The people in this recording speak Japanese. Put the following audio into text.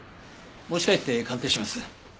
持ち帰って鑑定します。